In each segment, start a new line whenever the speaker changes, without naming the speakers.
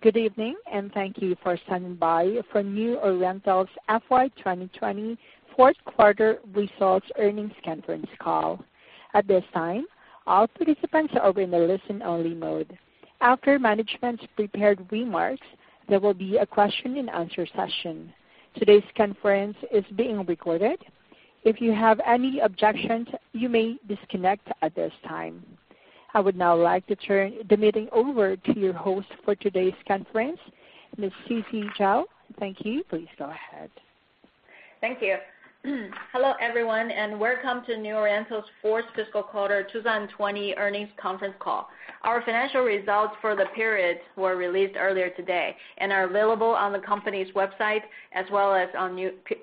Good evening, and thank you for standing by for New Oriental's FY 2020 fourth quarter results earnings conference call. At this time, all participants are in the listen-only mode. After management's prepared remarks, there will be a question-and-answer session. Today's conference is being recorded. If you have any objections, you may disconnect at this time. I would now like to turn the meeting over to your host for today's conference, Ms. Sisi Zhao. Thank you. Please go ahead.
Thank you. Hello, everyone, and welcome to New Oriental's fourth fiscal quarter 2020 earnings conference call. Our financial results for the period were released earlier today and are available on the company's website as well as on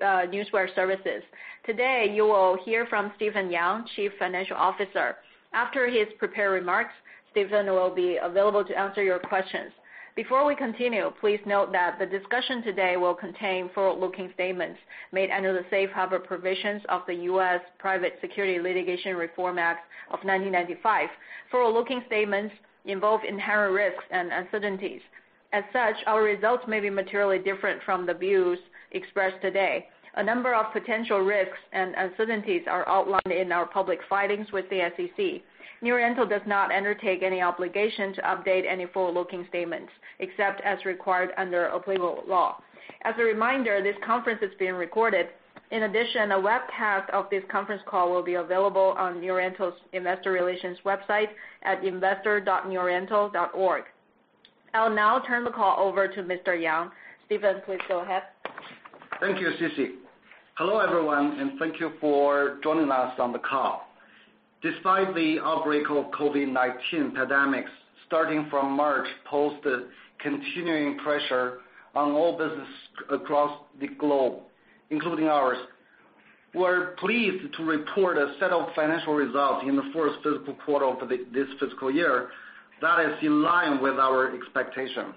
Newswire services. Today, you will hear from Stephen Yang, Chief Financial Officer. After his prepared remarks, Stephen will be available to answer your questions. Before we continue, please note that the discussion today will contain forward-looking statements made under the safe harbor provisions of the U.S. Private Securities Litigation Reform Act of 1995. Forward-looking statements involve inherent risks and uncertainties. As such, our results may be materially different from the views expressed today. A number of potential risks and uncertainties are outlined in our public filings with the SEC. New Oriental does not undertake any obligation to update any forward-looking statements, except as required under applicable law. As a reminder, this conference is being recorded. In addition, a webcast of this conference call will be available on New Oriental's investor relations website at investor.neworiental.org. I'll now turn the call over to Mr. Yang. Stephen, please go ahead.
Thank you, Sisi. Hello, everyone, and thank you for joining us on the call. Despite the outbreak of COVID-19 pandemic, starting from March posed a continuing pressure on all business across the globe, including ours. We're pleased to report a set of financial results in the fourth fiscal quarter of this fiscal year that is in line with our expectation.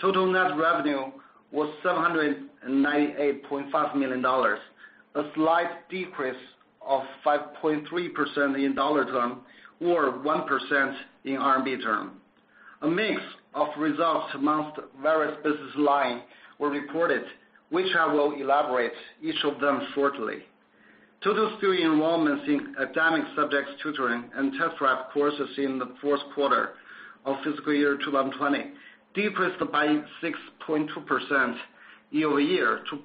Total net revenue was $798.5 million, a slight decrease of 5.3% in dollar term or 1% in RMB term. A mix of results amongst various business line were reported, which I will elaborate each of them shortly. Total student enrollments in academic subjects tutoring and test prep courses in the fourth quarter of fiscal year 2020 decreased by 6.2% year-over-year to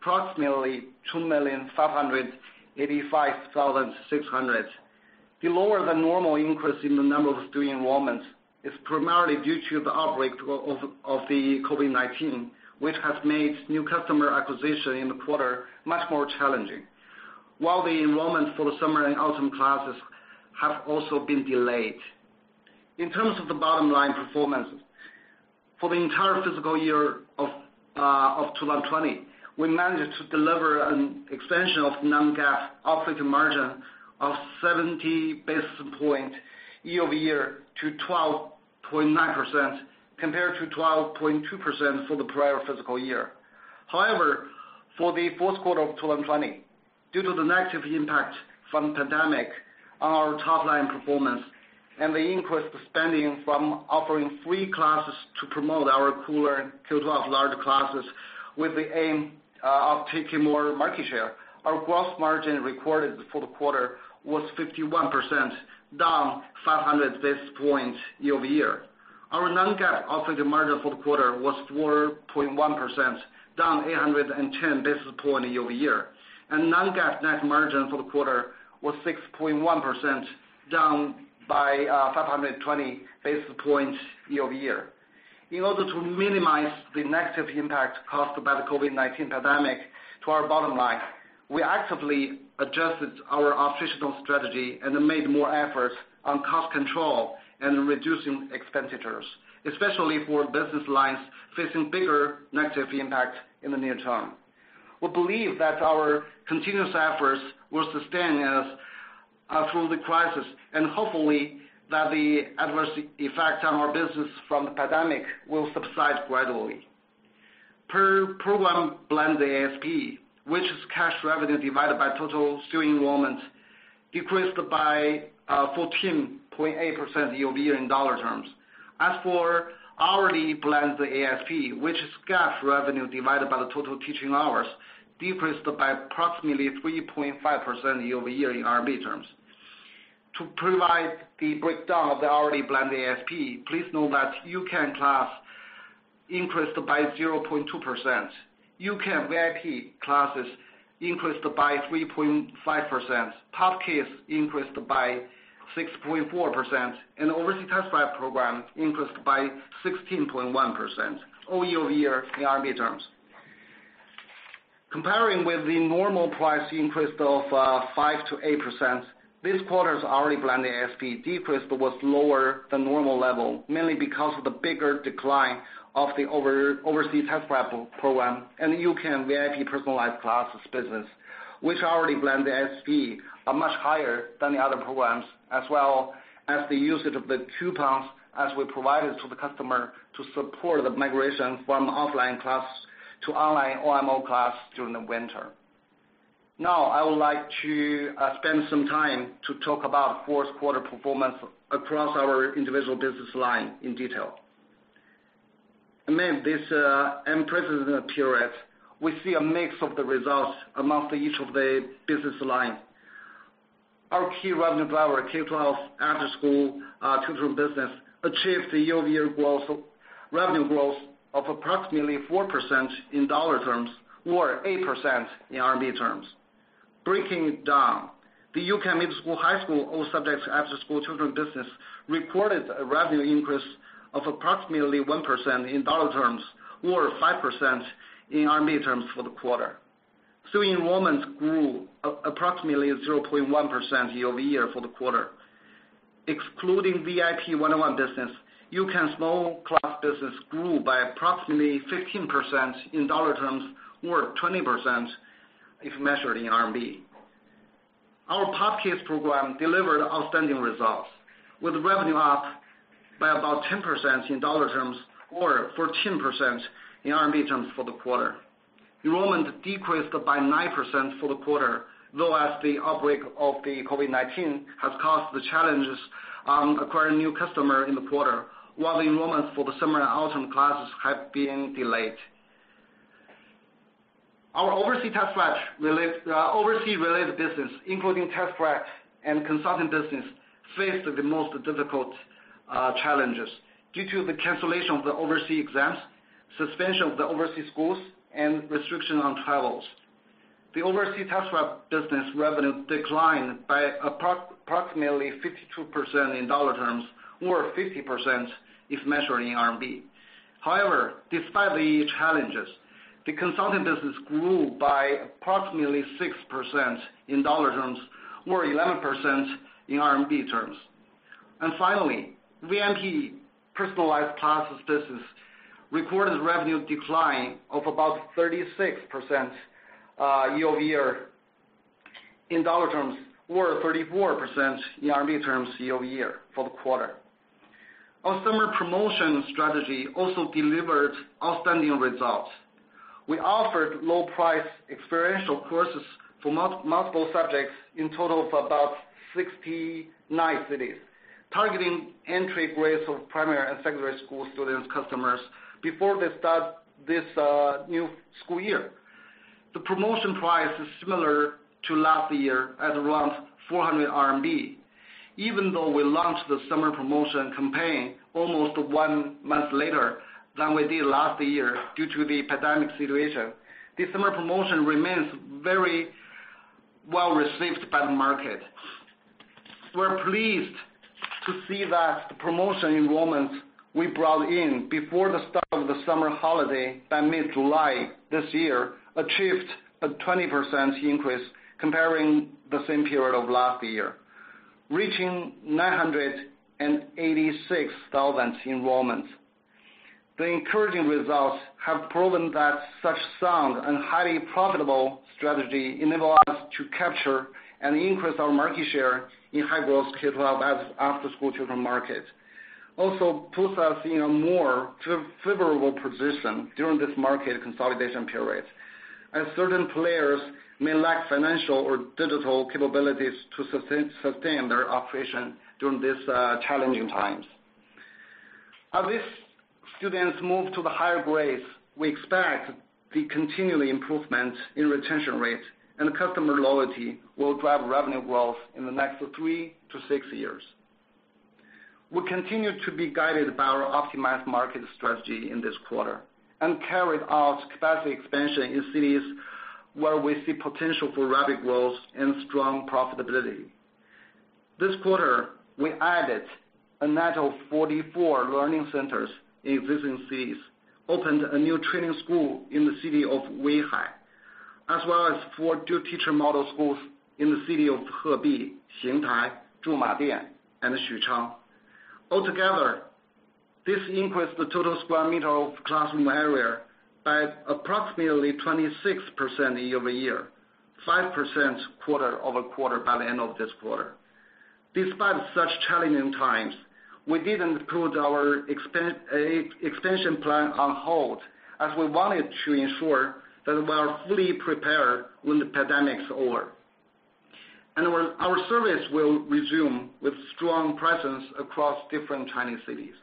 approximately 2,585,600. The lower than normal increase in the number of student enrollments is primarily due to the outbreak of the COVID-19, which has made new customer acquisition in the quarter much more challenging, while the enrollment for the summer and autumn classes have also been delayed. In terms of the bottom line performance, for the entire fiscal year of 2020, we managed to deliver an expansion of non-GAAP operating margin of 70 basis points year-over-year to 12.9%, compared to 12.2% for the prior fiscal year. For the fourth quarter of 2020, due to the negative impact from the pandemic on our top-line performance and the increased spending from offering free classes to promote our K-12 large classes with the aim of taking more market share, our gross margin recorded for the quarter was 51%, down 500 basis points year-over-year. Our non-GAAP operating margin for the quarter was 4.1%, down 810 basis points year-over-year. Non-GAAP net margin for the quarter was 6.1%, down by 520 basis points year-over-year. In order to minimize the negative impact caused by the COVID-19 pandemic to our bottom line, we actively adjusted our operational strategy and made more efforts on cost control and reducing expenditures, especially for business lines facing bigger negative impact in the near term. We believe that our continuous efforts will sustain us through the crisis, and hopefully that the adverse effect on our business from the pandemic will subside gradually. Per program blended ASP, which is cash revenue divided by total student enrollments, decreased by 14.8% year-over-year in dollar terms. As for hourly blended ASP, which is cash revenue divided by the total teaching hours, decreased by approximately 3.5% year-over-year in RMB terms. To provide the breakdown of the hourly blended ASP, please know that U-Can class increased by 0.2%, U-Can VIP classes increased by 3.5%, POP Kids increased by 6.4%, and Overseas Test Prep program increased by 16.1% all year-over-year in RMB terms. Comparing with the normal price increase of 5%-8%, this quarter's hourly blended ASP decrease was lower than normal level, mainly because of the bigger decline of the Overseas Test Prep program and U-Can VIP personalized classes business, which hourly blended ASP are much higher than the other programs, as well as the usage of the coupons as we provided to the customer to support the migration from offline class to online OMO class during the winter. I would like to spend some time to talk about fourth quarter performance across our individual business line in detail. Amid this unprecedented period, we see a mix of the results amongst each of the business line. Our key revenue driver, K-12 after-school tutoring business, achieved a year-over-year revenue growth of approximately 4% in dollar terms or 8% in RMB terms. Breaking it down, the U-Can middle school, high school, all subjects after-school tutoring business, reported a revenue increase of approximately 1% in dollar terms or 5% in RMB terms for the quarter. Student enrollment grew approximately 0.1% year-over-year for the quarter. Excluding VIP one-on-one business, U-Can small class business grew by approximately 15% in dollar terms or 20% if measured in RMB. Our POP Kids program delivered outstanding results, with revenue up by about 10% in dollar terms or 14% in RMB terms for the quarter. Enrollment decreased by 9% for the quarter, though as the outbreak of the COVID-19 has caused the challenges acquiring new customer in the quarter, while the enrollments for the summer and autumn classes have been delayed. Our overseas test-prep related business, including test-prep and consulting business, faced the most difficult challenges due to the cancellation of the overseas exams, suspension of the overseas schools, and restriction on travels. The overseas test-prep business revenue declined by approximately 52% in dollar terms or 50% if measured in RMB. Despite the challenges, the consulting business grew by approximately 6% in dollar terms or 11% in RMB terms. Finally, VIP personalized classes business, reported revenue decline of about 36% year-over-year in dollar terms or 34% in RMB terms year-over-year for the quarter. Our summer promotion strategy also delivered outstanding results. We offered low-price experiential courses for multiple subjects in total of about 69 cities, targeting entry grades of primary and secondary school students customers before they start this new school year. The promotion price is similar to last year at around 400 RMB. Even though we launched the summer promotion campaign almost one month later than we did last year due to the pandemic situation, the summer promotion remains very well-received by the market. We're pleased to see that the promotion enrollments we brought in before the start of the summer holiday by mid-July this year, achieved a 20% increase comparing the same period of last year, reaching 986,000 enrollments. The encouraging results have proven that such sound and highly profitable strategy enable us to capture and increase our market share in high-growth K-12 after-school tutoring market. Also, puts us in a more favorable position during this market consolidation period, as certain players may lack financial or digital capabilities to sustain their operation during these challenging times. As these students move to the higher grades, we expect the continuing improvement in retention rate, and customer loyalty will drive revenue growth in the next three to six years. We continue to be guided by our optimized market strategy in this quarter, and carried out capacity expansion in cities where we see potential for rapid growth and strong profitability. This quarter, we added a net of 44 learning centers in existing cities, opened a new training school in the city of Weihai, as well as four two-teacher model schools in the city of Hebi, Xingtai, Zhumadian, and Xuchang. Altogether, this increased the total square meter of classroom area by approximately 26% year-over-year, 5% quarter-over-quarter by the end of this quarter. Despite such challenging times, we didn't put our expansion plan on hold, as we wanted to ensure that we are fully prepared when the pandemic's over. Our service will resume with strong presence across different Chinese cities.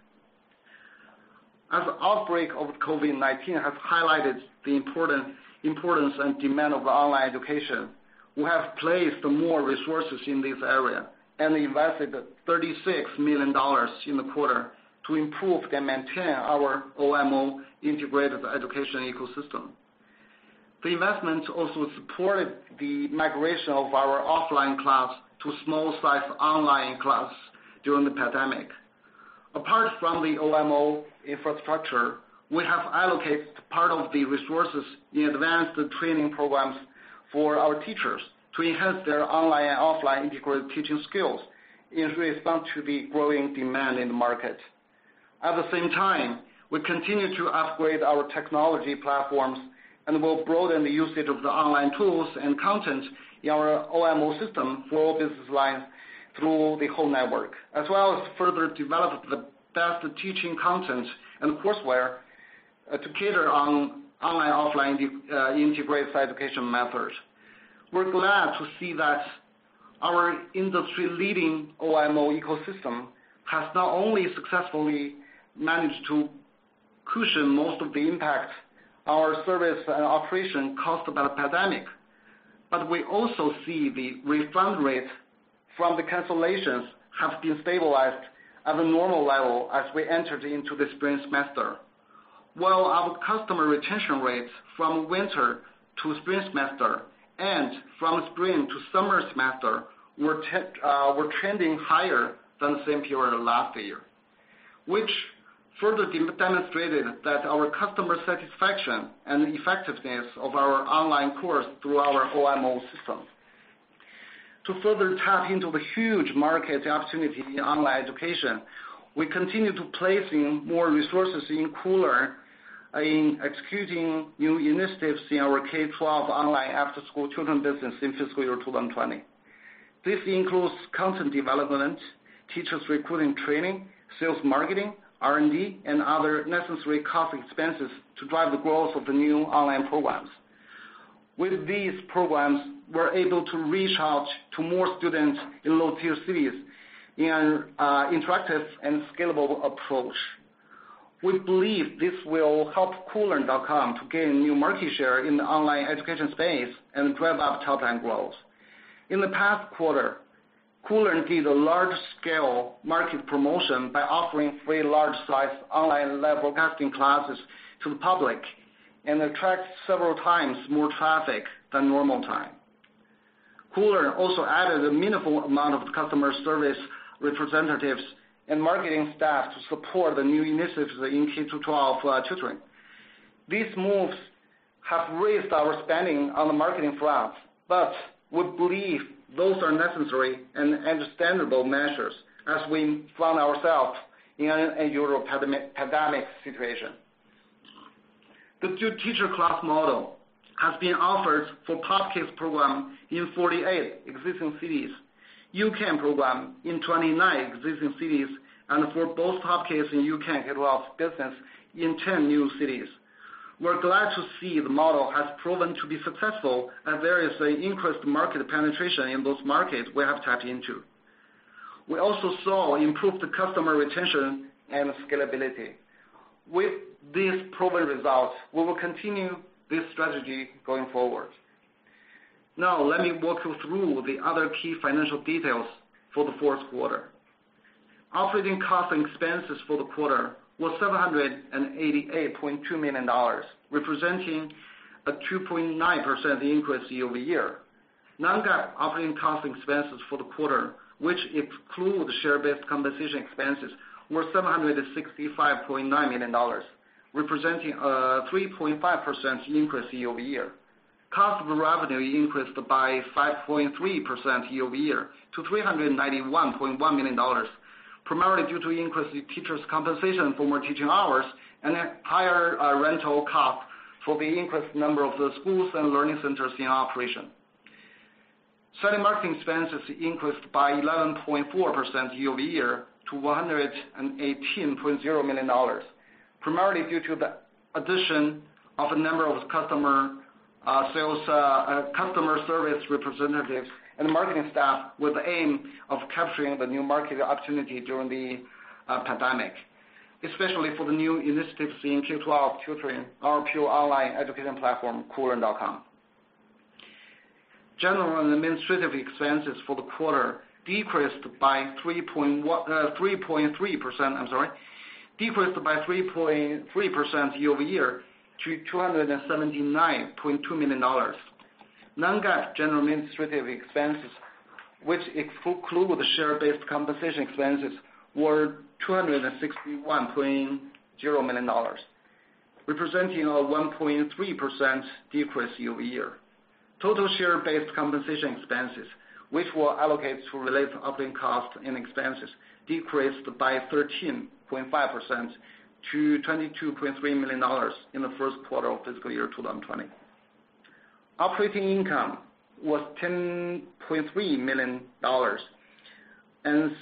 As the outbreak of COVID-19 has highlighted the importance and demand of online education, we have placed more resources in this area and invested $36 million in the quarter to improve and maintain our OMO integrated education ecosystem. The investment also supported the migration of our offline class to small-sized online class during the pandemic. Apart from the OMO infrastructure, we have allocated part of the resources in advanced training programs for our teachers to enhance their online and offline integrated teaching skills in response to the growing demand in the market. At the same time, we continue to upgrade our technology platforms and will broaden the usage of the online tools and content in our OMO system for all business lines through the whole network, as well as further develop the best teaching content and courseware to cater to online, offline integrated education methods. We're glad to see that our industry-leading OMO ecosystem has not only successfully managed to cushion most of the impact our service and operation caused by the pandemic, but we also see the refund rates from the cancellations have been stabilized at a normal level as we entered into the spring semester. While our customer retention rates from winter to spring semester and from spring to summer semester were trending higher than the same period last year, which further demonstrated that our customer satisfaction and effectiveness of our online course through our OMO system. To further tap into the huge market opportunity in online education, we continue to placing more resources in Koolearn, in executing new initiatives in our K-12 online after-school tutoring business in fiscal year 2020. This includes content development, teachers recruiting training, sales marketing, R&D, and other necessary cost expenses to drive the growth of the new online programs. With these programs, we're able to reach out to more students in low-tier cities in interactive and scalable approach. We believe this will help Koolearn.com to gain new market share in the online education space and drive up top-line growth. In the past quarter, Koolearn did a large-scale market promotion by offering free large-sized online live broadcasting classes to the public and attract several times more traffic than normal time. Koolearn also added a meaningful amount of customer service representatives and marketing staff to support the new initiatives in K-12 tutoring. These moves have raised our spending on the marketing front, but we believe those are necessary and understandable measures as we found ourselves in a pandemic situation. The two-teacher class model has been offered for POP Kids program in 48 existing cities, U-Can program in 29 existing cities, and for both POP Kids and U-Can K-12 business in 10 new cities. We're glad to see the model has proven to be successful, and there is increased market penetration in those markets we have tapped into. We also saw improved customer retention and scalability. With these proven results, we will continue this strategy going forward. Now, let me walk you through the other key financial details for the fourth quarter. Operating costs and expenses for the quarter were $788.2 million, representing a 2.9% increase year-over-year. Non-GAAP operating cost and expenses for the quarter, which exclude share-based compensation expenses, were $765.9 million, representing a 3.5% increase year-over-year. Cost of revenue increased by 5.3% year-over-year to $391.1 million, primarily due to increased teachers compensation for more teaching hours and higher rental cost for the increased number of the schools and learning centers in operation. Selling marketing expenses increased by 11.4% year-over-year to $118.0 million, primarily due to the addition of a number of customer service representatives and marketing staff with the aim of capturing the new market opportunity during the pandemic, especially for the new initiatives in K-12 tutoring, our pure online education platform, Koolearn.com. General and administrative expenses for the quarter decreased by 3.3% year-over-year to $279.2 million. Non-GAAP general administrative expenses, which exclude the share-based compensation expenses, were $261.0 million, representing a 1.3% decrease year-over-year. Total share-based compensation expenses, which were allocated to related operating costs and expenses, decreased by 13.5% to $22.3 million in the fourth quarter of fiscal year 2020. Operating income was $10.3 million, an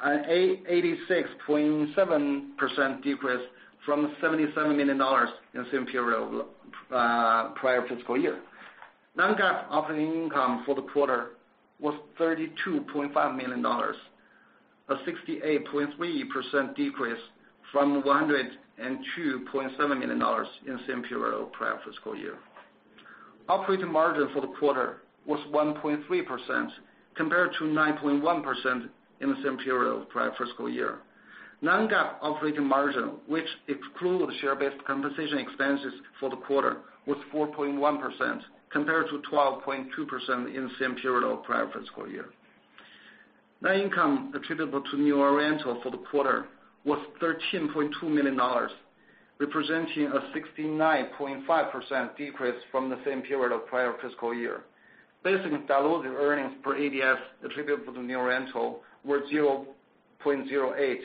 86.7% decrease from $77 million in the same period of prior fiscal year. Non-GAAP operating income for the quarter was $32.5 million, a 68.3% decrease from $102.7 million in the same period of prior fiscal year. Operating margin for the quarter was 1.3% compared to 9.1% in the same period of prior fiscal year. Non-GAAP operating margin, which exclude share-based compensation expenses for the quarter, was 4.1% compared to 12.2% in the same period of prior fiscal year. Net income attributable to New Oriental for the quarter was $13.2 million, representing a 69.5% decrease from the same period of prior fiscal year. Basic and diluted earnings per ADS attributable to New Oriental were $0.08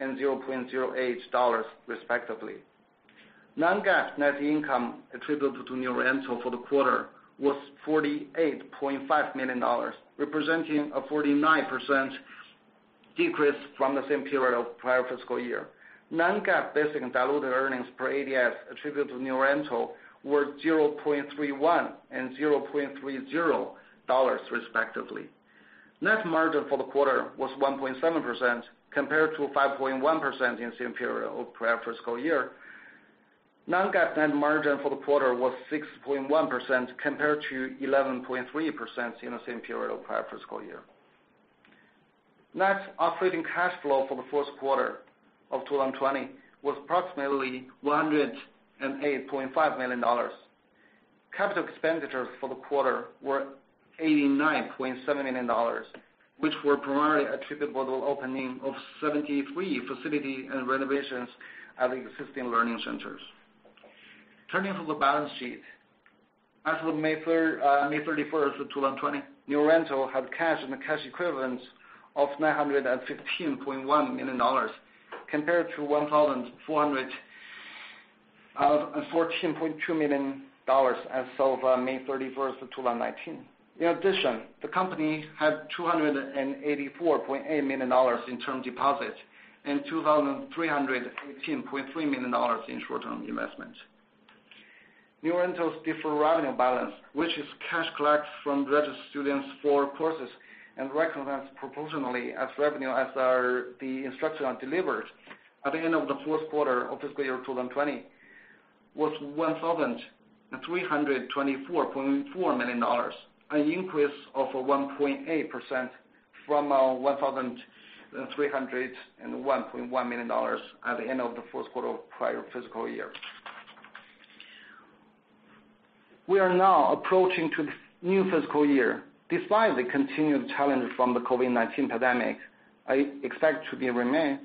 and $0.08, respectively. Non-GAAP net income attributable to New Oriental for the quarter was $48.5 million, representing a 49% decreased from the same period of prior fiscal year. Non-GAAP basic and diluted earnings per ADS attributed to New Oriental were $0.31 and $0.30 respectively. Net margin for the quarter was 1.7%, compared to 5.1% in the same period of prior fiscal year. Non-GAAP net margin for the quarter was 6.1%, compared to 11.3% in the same period of prior fiscal year. Net operating cash flow for the fourth quarter of 2020 was approximately $108.5 million. Capital expenditures for the quarter were $89.7 million, which were primarily attributable to the opening of 73 facility and renovations at existing learning centers. Turning to the balance sheet. As of May 31st of 2020, New Oriental had cash and cash equivalents of $915.1 million compared to $1,414.2 million as of May 31st of 2019. In addition, the company had $284.8 million in term deposits and $2,318.3 million in short-term investments. New Oriental's deferred revenue balance, which is cash collected from registered students for courses and recognized proportionally as revenue as the instruction are delivered, at the end of the fourth quarter of fiscal year 2020, was $1,324.4 million, an increase of 1.8% from $1,301.1 million at the end of the fourth quarter of the prior fiscal year. We are now approaching to the new fiscal year. Despite the continued challenge from the COVID-19 pandemic, I expect to remain.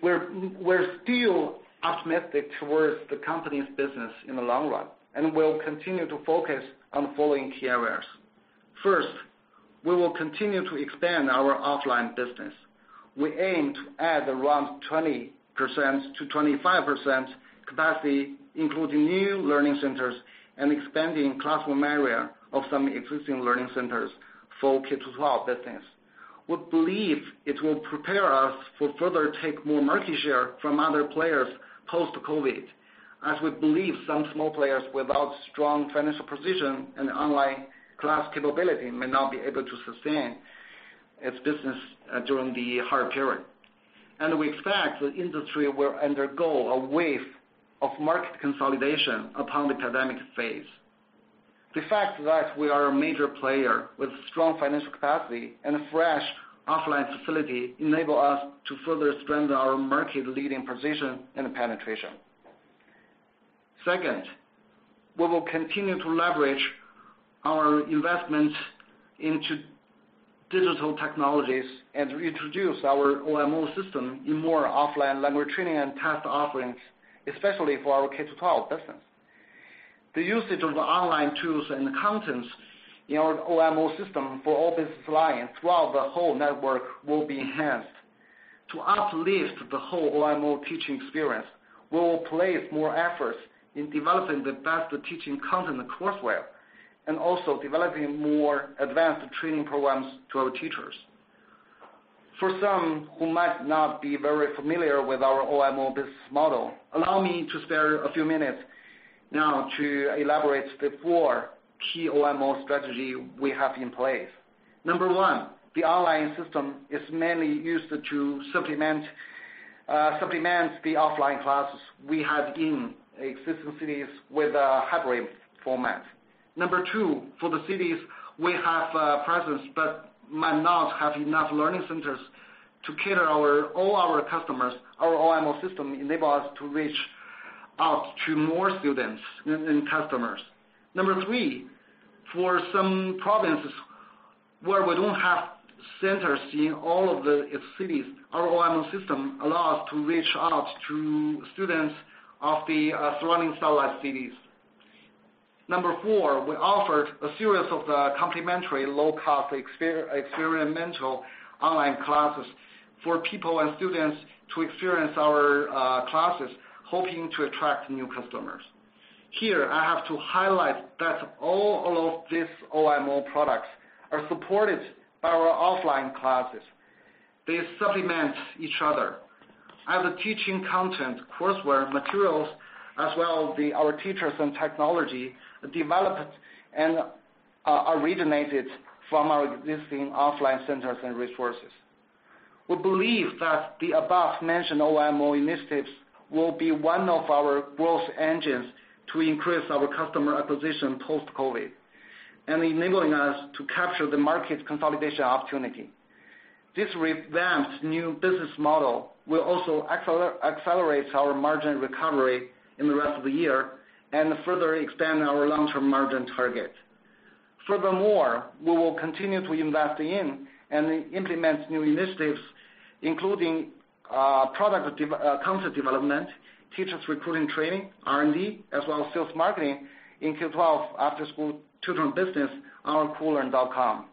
We're still optimistic towards the company's business in the long run, and we'll continue to focus on the following key areas. First, we will continue to expand our offline business. We aim to add around 20%-25% capacity, including new learning centers and expanding classroom area of some existing learning centers for K-12 business. We believe it will prepare us for further take more market share from other players post-COVID, as we believe some small players without strong financial position and online class capability may not be able to sustain its business during the hard period. We expect the industry will undergo a wave of market consolidation upon the pandemic phase. The fact that we are a major player with strong financial capacity and a fresh offline facility enable us to further strengthen our market-leading position and penetration. Second, we will continue to leverage our investments into digital technologies and introduce our OMO system in more offline language training and test offerings, especially for our K-12 business. The usage of online tools and contents in our OMO system for all business lines throughout the whole network will be enhanced. To uplift the whole OMO teaching experience, we will place more efforts in developing the best teaching content courseware, and also developing more advanced training programs to our teachers. For some who might not be very familiar with our OMO business model, allow me to spare a few minutes now to elaborate the four key OMO strategy we have in place. Number one, the online system is mainly used to supplement the offline classes we have in existing cities with a hybrid format. Number two, for the cities we have a presence but might not have enough learning centers to cater all our customers. Our OMO system enable us to reach out to more students and customers. Number three, for some provinces where we don't have centers in all of the cities, our OMO system allow us to reach out to students of the surrounding satellite cities. Number four, we offered a series of complimentary low-cost experiential online classes for people and students to experience our classes, hoping to attract new customers. Here, I have to highlight that all of these OMO products are supported by our offline classes. They supplement each other, as the teaching content courseware materials, as well our teachers and technology, developed and originated from our existing offline centers and resources. We believe that the above-mentioned OMO initiatives will be one of our growth engines to increase our customer acquisition post-COVID, and enabling us to capture the market consolidation opportunity. This revamped new business model will also accelerate our margin recovery in the rest of the year and further expand our long-term margin target. Furthermore, we will continue to invest in and implement new initiatives, including content development, teachers recruiting training, R&D, as well as sales marketing in K-12 after-school tutoring business on Koolearn.com.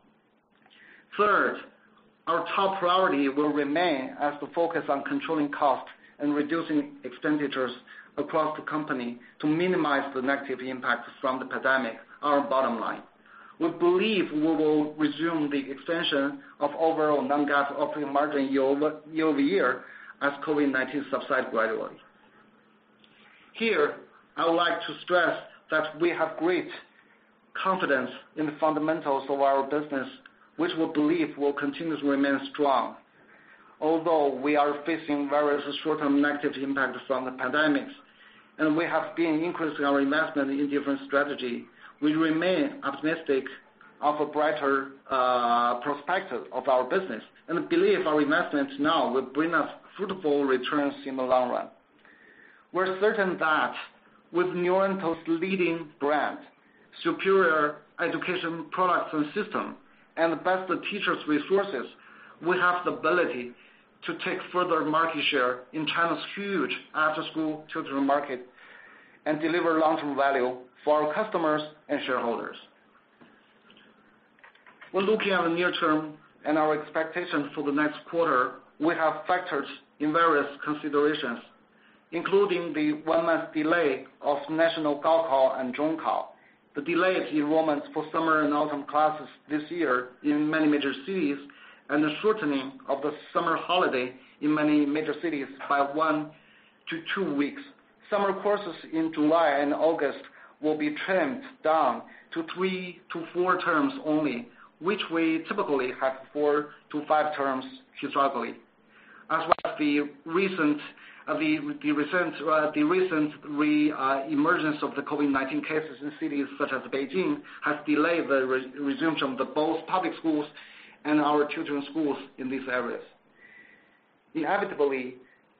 Third, our top priority will remain as the focus on controlling costs and reducing expenditures across the company to minimize the negative impacts from the pandemic on our bottom line. We believe we will resume the expansion of overall non-GAAP operating margin year-over-year as COVID-19 subside gradually. Here, I would like to stress that we have great confidence in the fundamentals of our business, which we believe will continuously remain strong. Although we are facing various short-term negative impacts from the pandemic, and we have been increasing our investment in different strategy, we remain optimistic of a brighter prospective of our business, and believe our investments now will bring us fruitful returns in the long run. We're certain that with New Oriental's leading brand, superior education products and system, and the best teachers' resources, we have the ability to take further market share in China's huge after-school children market, and deliver long-term value for our customers and shareholders. When looking at the near term and our expectations for the next quarter, we have factored in various considerations, including the one-month delay of national Gaokao and Zhongkao, the delayed enrollments for summer and autumn classes this year in many major cities, and the shortening of the summer holiday in many major cities by one to two weeks. Summer courses in July and August will be trimmed down to three to four terms only, which we typically have four to five terms historically. The recent reemergence of the COVID-19 cases in cities such as Beijing has delayed the resumption of both public schools and our children's schools in these areas. Inevitably,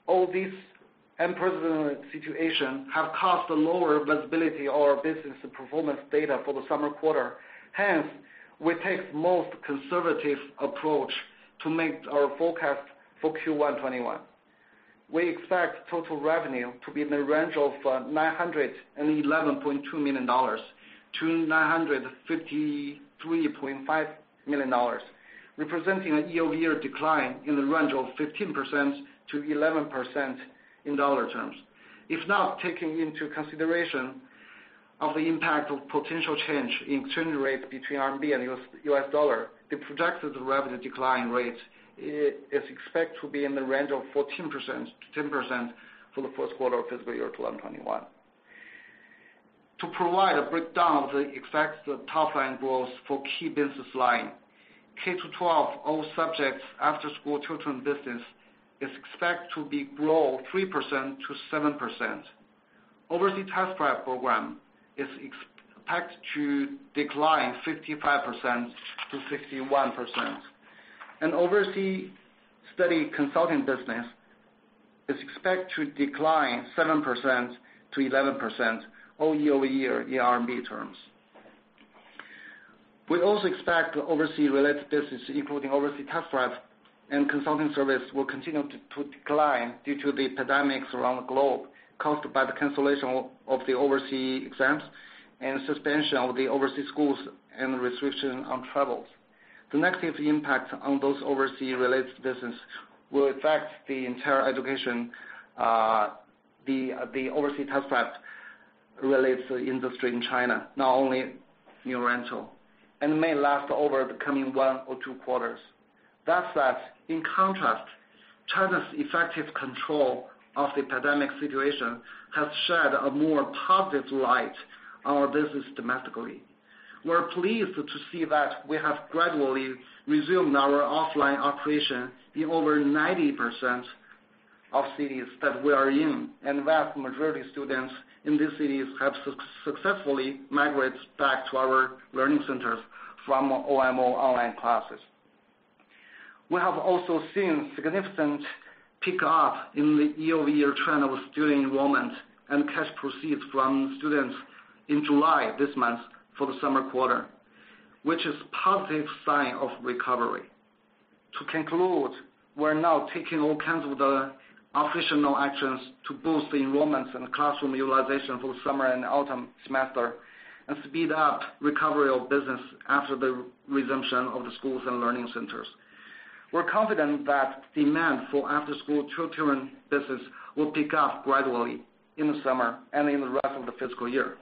all these unprecedented situation have caused a lower visibility of our business performance data for the summer quarter. We take most conservative approach to make our forecast for Q1 2021. We expect total revenue to be in the range of $911.2 million-$953.5 million, representing a year-over-year decline in the range of 15%-11% in dollar terms. If not taking into consideration of the impact of potential change in exchange rate between RMB and U.S. dollar, the projected revenue decline rate is expected to be in the range of 14%-10% for the first quarter of fiscal year 2021. To provide a breakdown of the expected top line growth for key business line, K-12 all subjects after-school tutoring business is expected to grow 3%-7%. Overseas Test Prep program is expected to decline 55%-61%. Overseas Study Consulting business is expected to decline 7%-11%, all year-over-year in RMB terms. We also expect oversea-related business, including Overseas Test Prep and consulting service, will continue to decline due to the pandemics around the globe caused by the cancellation of the oversea exams and suspension of the oversea schools and restriction on travels. The negative impact on those oversea-related business will affect the entire education, the Overseas Test Prep-related industry in China, not only New Oriental, and may last over the coming one or two quarters. That said, in contrast, China's effective control of the pandemic situation has shed a more positive light on our business domestically. We're pleased to see that we have gradually resumed our offline operation in over 90% of cities that we are in, and the vast majority of students in these cities have successfully migrated back to our learning centers from OMO online classes. We have also seen significant pickup in the year-over-year trend of student enrollment and cash proceeds from students in July this month for the summer quarter, which is a positive sign of recovery. To conclude, we're now taking all kinds of the operational actions to boost the enrollments and classroom utilization for the summer and autumn semester, and speed up recovery of business after the resumption of the schools and learning centers. We're confident that demand for after-school tutoring business will pick up gradually in the summer and in the rest of the fiscal year.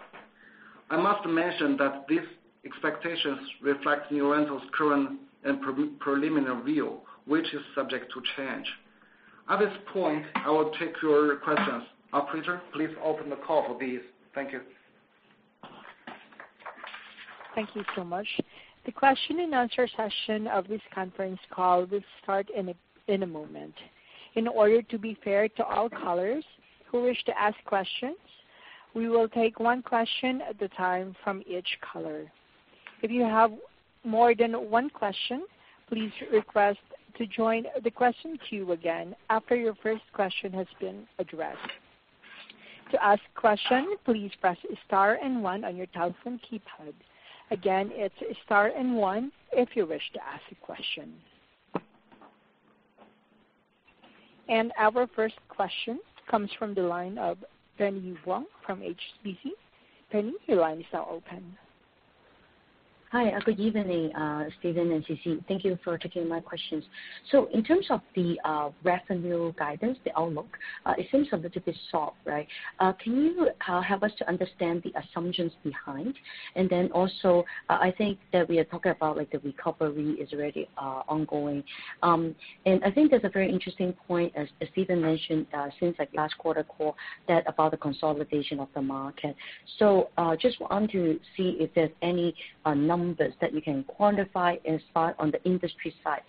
I must mention that these expectations reflect New Oriental's current and preliminary view, which is subject to change. At this point, I will take your questions. Operator, please open the call for these. Thank you.
Thank you so much. The question-and-answer session of this conference call will start in a moment. In order to be fair to all callers who wish to ask questions, we will take one question at a time from each caller. If you have more than one question, please request to join the question queue again after your first question has been addressed. To ask a question, please press star and one on your telephone keypad. Again, it's star and one if you wish to ask a question. Our first question comes from the line of Binnie Wong from HSBC. Binnie, your line is now open.
Hi, good evening, Stephen and Sisi. Thank you for taking my questions. In terms of the revenue guidance, the outlook, it seems a little bit soft, right? Can you help us to understand the assumptions behind? I think that we are talking about the recovery is already ongoing. I think there's a very interesting point, as Stephen mentioned since the last quarter call, about the consolidation of the market. Just want to see if there's any numbers that you can quantify on the industry side.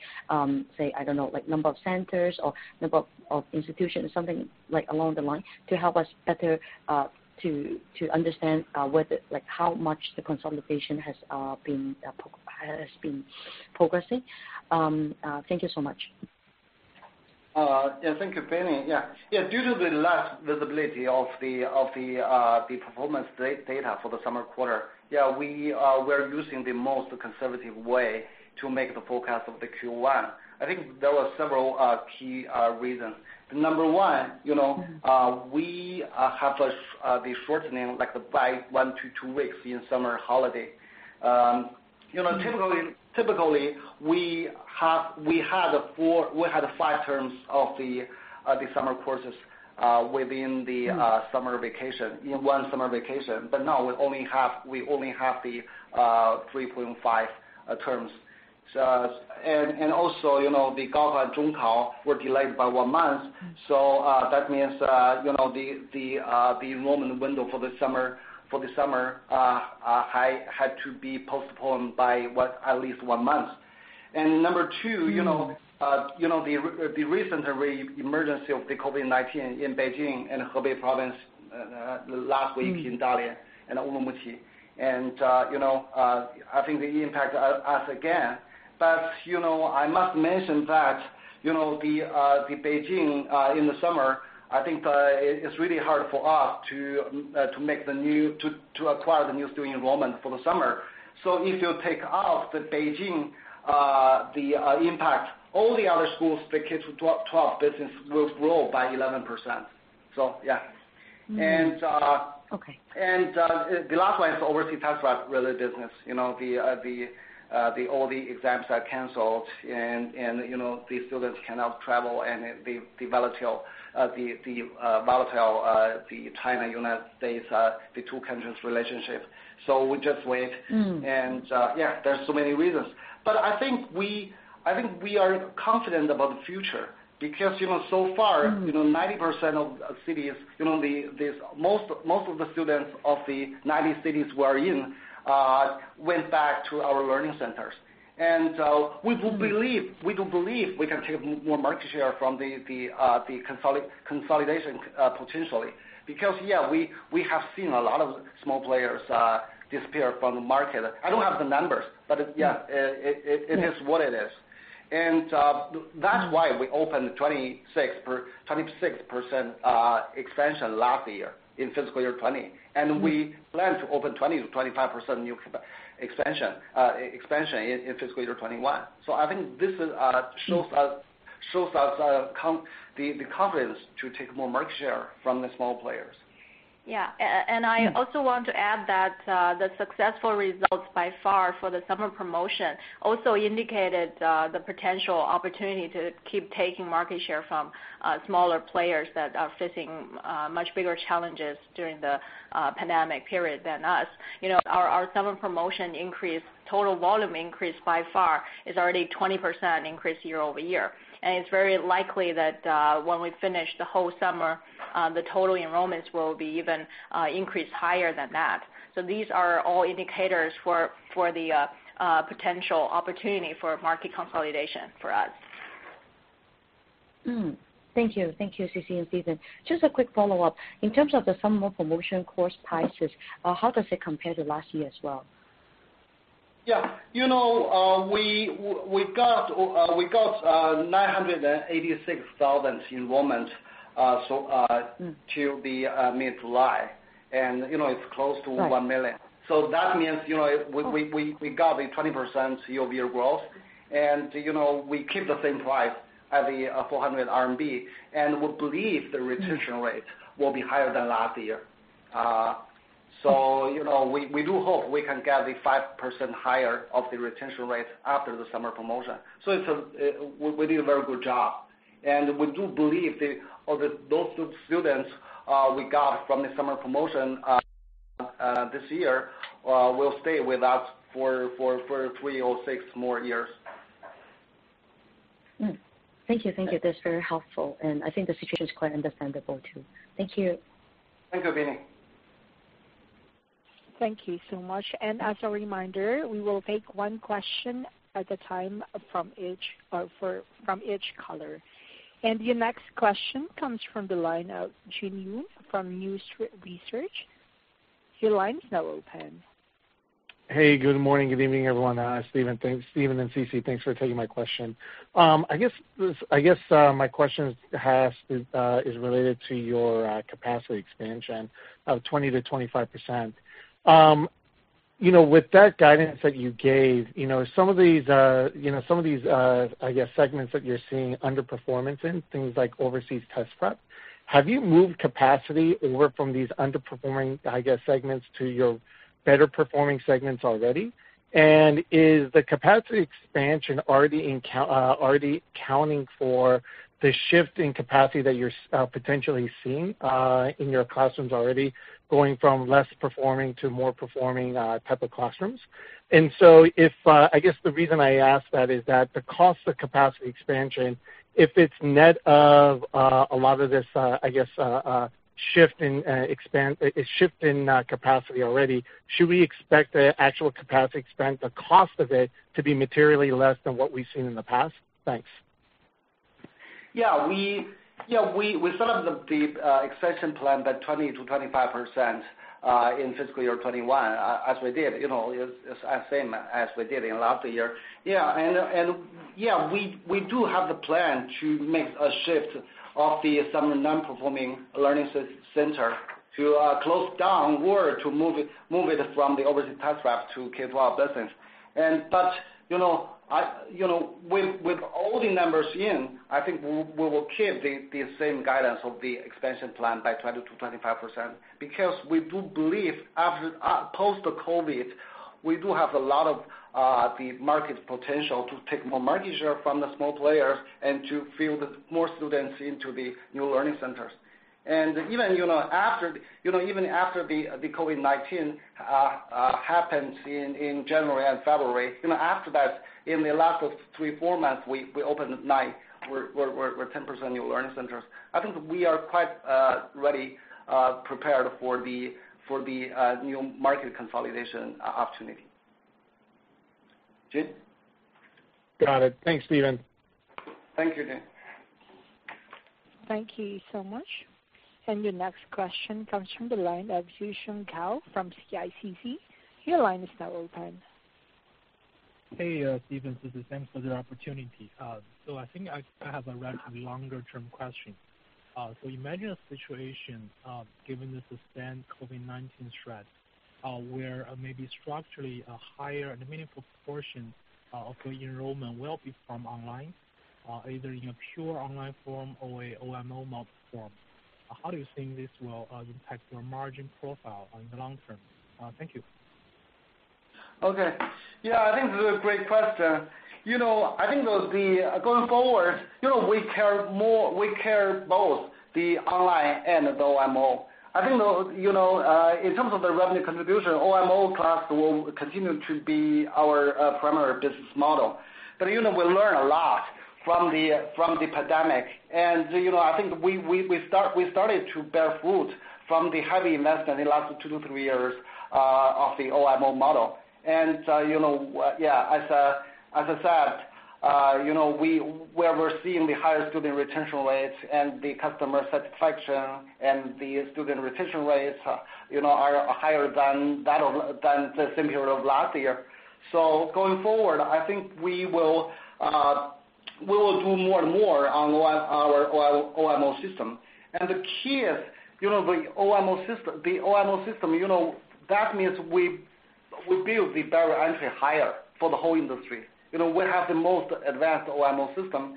Say, I don't know, like number of centers or number of institutions, something along the line to help us better to understand how much the consolidation has been progressing. Thank you so much.
Thank you, Binnie. Due to the less visibility of the performance data for the summer quarter, we were using the most conservative way to make the forecast of the Q1. I think there were several key reasons. Number one, we have the shortening by one to two weeks in summer holiday. Typically, we had five terms of the summer courses within the summer vacation, in one summer vacation. Now we only have the 3.5 terms. Also, the Gaokao and Zhongkao were delayed by one month. That means the enrollment window for the summer had to be postponed by at least one month. Number two the recent re-emergence of the COVID-19 in Beijing and Hebei province last week. In Dalian and Ürümqi. I think they impact us again. I must mention that the Beijing, in the summer, I think it's really hard for us to acquire the new student enrollment for the summer. If you take out the Beijing impact, all the other schools, the K-12 business will grow by 11%. Yeah.
Mm-hmm. Okay.
The last one is the Overseas Test Prep business. All the exams are canceled, and these students cannot travel, and the volatile China-United States, the two countries' relationship. We just wait. Yeah, there's so many reasons. I think we are confident about the future. 90% of cities, most of the students of the 90 cities we are in went back to our learning centers. We do believe we can take more market share from the consolidation potentially, because yeah, we have seen a lot of small players disappear from the market. I don't have the numbers.
Yeah
It is what it is. That's why we opened 26% expansion last year in fiscal year 2020. We plan to open 20%-25% new expansion in fiscal year 2021. I think this shows us the confidence to take more market share from the small players.
Yeah. I also want to add that the successful results by far for the summer promotion also indicated the potential opportunity to keep taking market share from smaller players that are facing much bigger challenges during the pandemic period than us. Our summer promotion total volume increase by far is already 20% increase year-over-year. It's very likely that when we finish the whole summer, the total enrollments will be even increased higher than that. These are all indicators for the potential opportunity for market consolidation for us.
Thank you. Thank you, Sisi and Stephen. Just a quick follow-up. In terms of the summer promotion course prices, how does it compare to last year as well?
Yeah. We got 986,000 enrollments till the mid-July, it's close to 1 million.
Right.
That means we got the 20% year-over-year growth. We keep the same price at the 400 RMB, and we believe the retention rate will be higher than last year. We do hope we can get the 5% higher of the retention rate after the summer promotion. We did a very good job, and we do believe those students we got from the summer promotion this year will stay with us for three or six more years.
Thank you. That's very helpful. I think the situation is quite understandable, too. Thank you.
Thank you, Binnie.
Thank you so much. As a reminder, we will take one question at a time from each caller. The next question comes from the line of Jin Yoon from New Street Research. Your line is now open.
Hey, good morning, good evening, everyone. Stephen and Sisi, thanks for taking my question. I guess my question is related to your capacity expansion of 20%-25%. With that guidance that you gave, some of these, I guess, segments that you're seeing underperformance in, things like Overseas Test Prep, have you moved capacity over from these underperforming, I guess, segments to your better performing segments already? And is the capacity expansion already accounting for the shift in capacity that you're potentially seeing in your classrooms already, going from less performing to more performing type of classrooms? I guess the reason I ask that is that the cost of capacity expansion, if it's net of a lot of this, I guess, shift in capacity already, should we expect the actual capacity expand, the cost of it, to be materially less than what we've seen in the past? Thanks.
We set up the expansion plan 20%-25% in fiscal year 2021, as we did, same as we did in last year. We do have the plan to make a shift of some non-performing learning centers to close down or to move it from the Overseas Test Prep to K-12 business. With all the numbers in, I think we will keep the same guidance of the expansion plan by 20%-25%. We do believe post COVID-19, we do have a lot of the market potential to take more market share from the small players and to fill more students into the new learning centers. Even after the COVID-19 happens in January and February, after that, in the last three, four months, we opened nine or 10 new learning centers. I think we are quite ready, prepared for the new market consolidation opportunity. Jin?
Got it. Thanks, Stephen.
Thank you, Jin Yoon.
Thank you so much. Your next question comes from the line of Yuzhong Gao from CICC. Your line is now open.
Hey, Stephen. This is Yuzhong Gao from CICC. Thanks for the opportunity. I think I have a rather longer-term question. Imagine a situation, given the sustained COVID-19 threat, where maybe structurally a higher and meaningful portion of the enrollment will be from online, either in a pure online form or a OMO model form. How do you think this will impact your margin profile in the long term? Thank you.
Okay. Yeah, I think this is a great question. I think going forward, we care both the online and the OMO. I think in terms of the revenue contribution, OMO class will continue to be our primary business model. We learn a lot from the pandemic, and I think we started to bear fruit from the heavy investment in last two to three years of the OMO model. As I said, where we're seeing the higher student retention rates and the customer satisfaction and the student retention rates are higher than the same period of last year. Going forward, I think we will do more and more on our OMO system. The key is the OMO system, that means we build the barrier entry higher for the whole industry. We have the most advanced OMO system.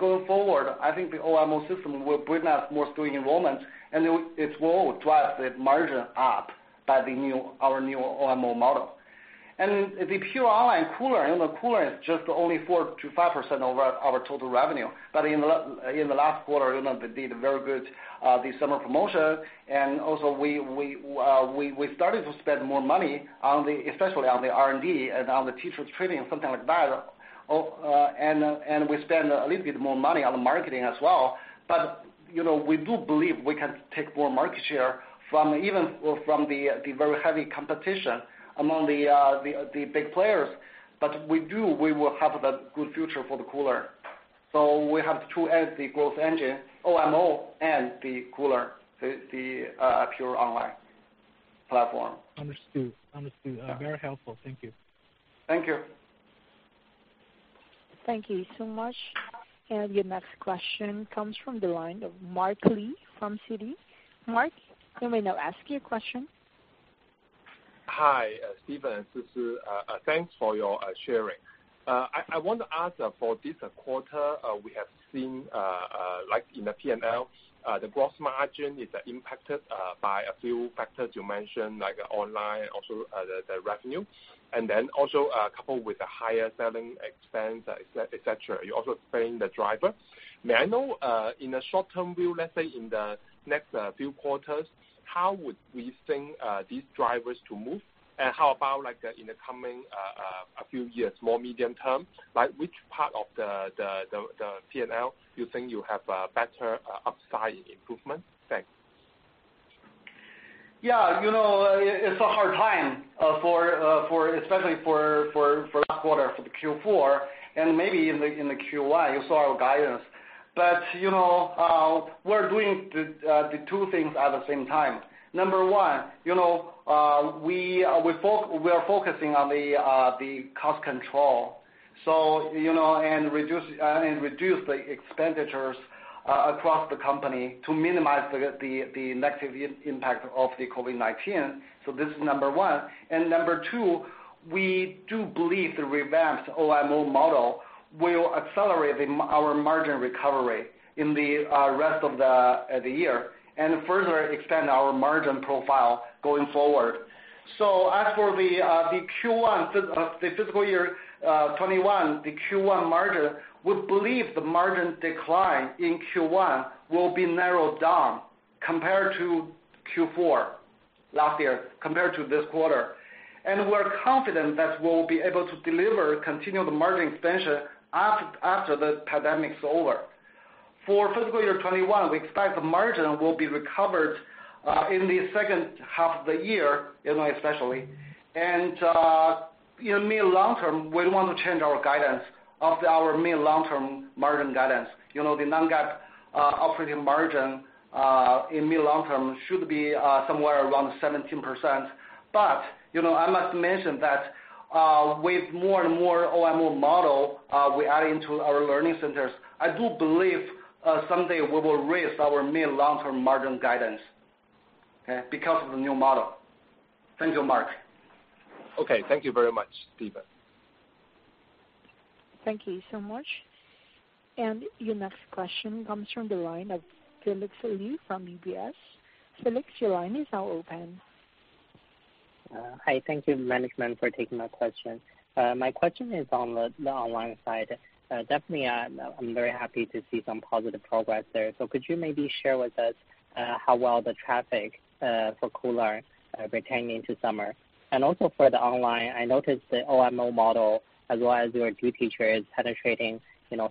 Going forward, I think the OMO system will bring us more student enrollment, and it will drive the margin up by our new OMO model. The pure online Koolearn is just only 4%-5% of our total revenue. In the last quarter, they did very good the summer promotion, and also we started to spend more money especially on the R&D and on the teachers training, something like that. We spend a little bit more money on the marketing as well. We do believe we can take more market share even from the very heavy competition among the big players, but we will have a good future for the Koolearn. We have two as the growth engine, OMO and the Koolearn, the pure online platform.
Understood. Very helpful. Thank you.
Thank you.
Thank you so much. Your next question comes from the line of Mark Li from Citi. Mark, you may now ask your question.
Hi, Stephen and Sisi. Thanks for your sharing. I want to ask for this quarter, we have seen, like in the P&L, the gross margin is impacted by a few factors you mentioned, like online, also the revenue, and then also coupled with the higher selling expense, et cetera. You're also saying the driver. May I know, in the short term view, let's say in the next few quarters, how would we think these drivers to move? How about in the coming a few years, more medium term? Which part of the P&L you think you have a better upside in improvement? Thanks.
It's a hard time, especially for last quarter, for the Q4, and maybe in the Q1, you saw our guidance. We're doing the two things at the same time. Number one, we are focusing on the cost control and reduce the expenditures across the company to minimize the negative impact of the COVID-19. This is number one. Number two. We do believe the revamped OMO model will accelerate our margin recovery in the rest of the year, and further extend our margin profile going forward. As for the fiscal year 2021, the Q1 margin, we believe the margin decline in Q1 will be narrowed down compared to Q4 last year, compared to this quarter. We're confident that we'll be able to deliver continued margin expansion after the pandemic is over. For fiscal year 2021, we expect the margin will be recovered in the second half of the year, especially. In mid long term, we want to change our guidance of our mid long-term margin guidance. The non-GAAP operating margin in mid long term should be somewhere around 17%. I must mention that with more and more OMO model we add into our learning centers, I do believe someday we will raise our mid long-term margin guidance, okay, because of the new model. Thank you, Mark.
Okay. Thank you very much, Stephen.
Thank you so much. Your next question comes from the line of Felix Liu from UBS. Felix, your line is now open.
Hi. Thank you, management, for taking my question. My question is on the online side. Definitely, I'm very happy to see some positive progress there. Could you maybe share with us how well the traffic for Koolearn pertaining to summer? Also for the online, I noticed the OMO model as well as your new teacher is penetrating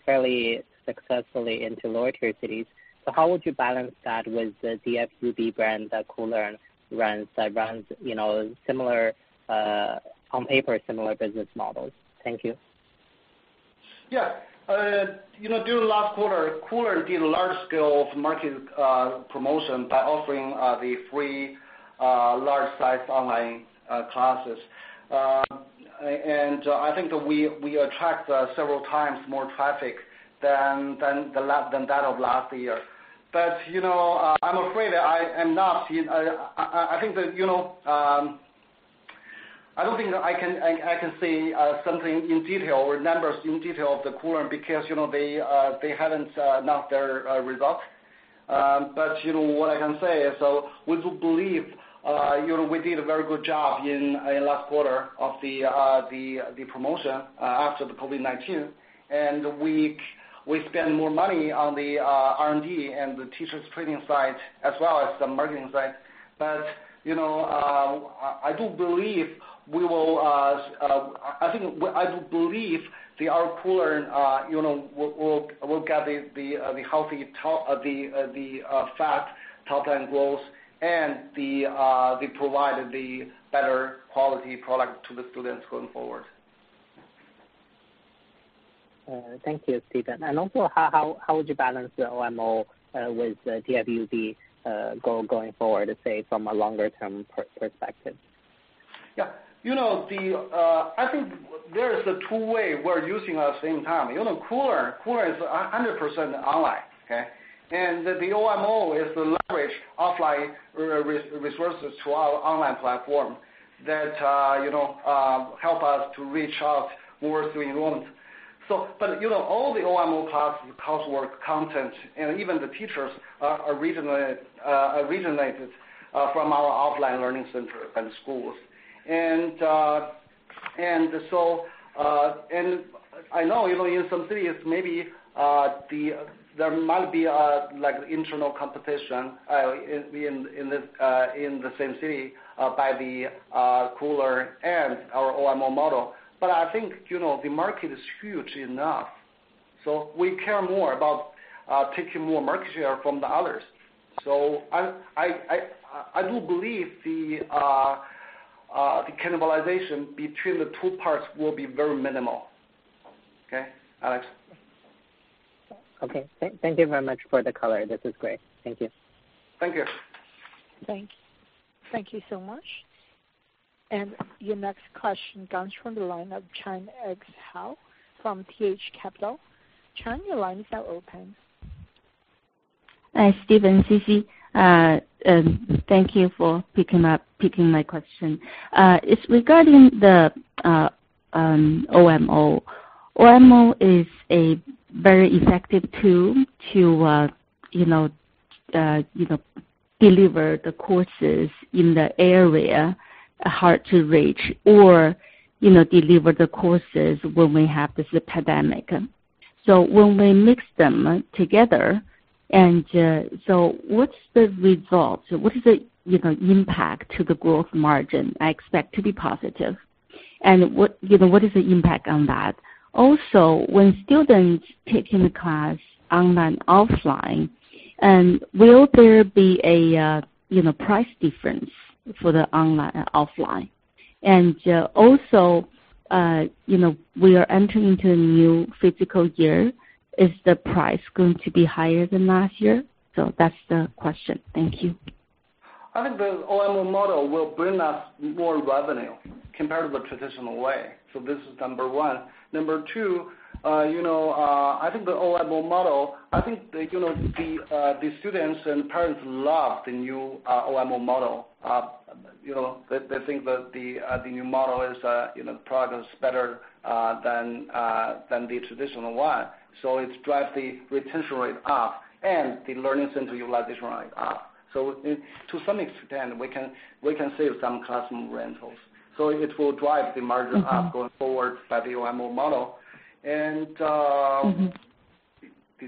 fairly successfully into lower tier cities. How would you balance that with the DFUB brand that Koolearn runs that runs on ASP similar business models? Thank you.
Yeah. During last quarter, Koolearn did a large scale of market promotion by offering the free large size online classes. I think that we attract several times more traffic than that of last year. I don't think that I can say something in detail or numbers in detail of the Koolearn because they haven't announced their result. What I can say is we do believe we did a very good job in last quarter of the promotion after the COVID-19. We spend more money on the R&D and the teachers training side as well as the marketing side. I do believe the Koolearn will get the healthy top-line growth and they provide the better quality product to the students going forward.
Thank you, Stephen. Also, how would you balance the OMO with DFUB going forward, say, from a longer term perspective?
Yeah. I think there is a two way we're using at the same time. Koolearn is 100% online, okay? The OMO is the leverage offline resources to our online platform that help us to reach out more student enrollment. All the OMO class coursework content, and even the teachers are originated from our offline learning center and schools. I know in some cities, maybe there might be like internal competition in the same city, by the Koolearn and our OMO model. I think the market is huge enough, so we care more about taking more market share from the others. I do believe the cannibalization between the two parts will be very minimal. Okay, Felix?
Okay. Thank you very much for the color. This is great. Thank you.
Thank you.
Thank you so much. Your next question comes from the line of Tian X. Hou from T.H. Capital. Tian, your line is now open.
Hi, Stephen, Sisi. Thank you for picking my question. It's regarding the OMO. OMO is a very effective tool to deliver the courses in the area, hard to reach or deliver the courses when we have this pandemic. When we mix them together, what's the result? What is the impact to the gross margin? I expect to be positive. What is the impact on that? When students taking the class online, offline, will there be a price difference for the offline? Also, we are entering into a new fiscal year. Is the price going to be higher than last year? That's the question. Thank you.
I think the OMO model will bring us more revenue compared to the traditional way. This is number one. Number two, I think the students and parents love the new OMO model. They think that the new model is progress better than the traditional one. It drives the retention rate up and the learning center utilization rate up. To some extent, we can save some classroom rentals. It will drive the margin up going forward by the OMO model.
The